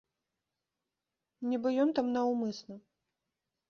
Нібы ён там наўмысна.